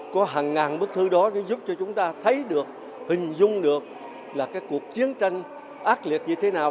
có hàng ngàn bức thư đó để giúp cho chúng ta thấy được hình dung được là cái cuộc chiến tranh ác liệt như thế nào